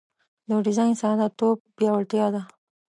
د ډیزاین ساده توب پیاوړتیا ده.